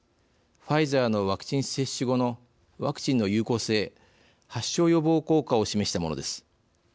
ファイザーのワクチン接種後のワクチンの有効性発症予防効果を示したものです。